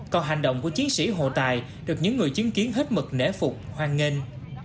còn hành động của chiến sĩ hồ tài được những người chứng kiến hết mực nể phục hoan nghênh